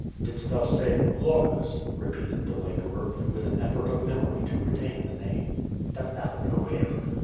"Didst thou say Glaucus?" repeated the laborer, with an effort of memory to retain the nime. "Dost thou know him?"